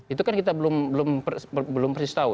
itu kan kita belum persis tahu